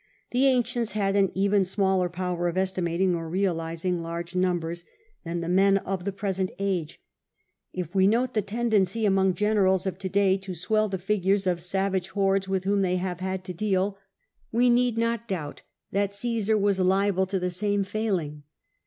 The ancients had an even smaller power of esti mating or realising large numbers than the men of the CJESAR 318 present age. If we note the tendency among generals of to day to swell the figures of savage hordes with whom they have had to deal, we need not doubt that 0£esar was liable to the same failing.